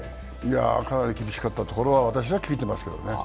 かなり厳しかったところは私は聞いてますけどね。